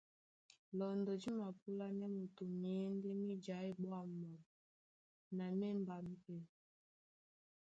Lɔndɔ dí mapúlánɛ́ moto myěndé mí jaí ɓwâmɓwam na mí émbám pɛ́.